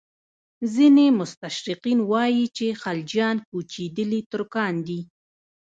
ځینې مستشرقین وایي چې خلجیان کوچېدلي ترکان دي.